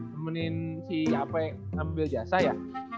temenin si apa yang ambil jasa ya